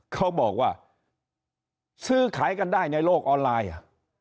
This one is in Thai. เขาบอกว่าซื้อขายกันได้ในโลกออนไลน์อ่ะ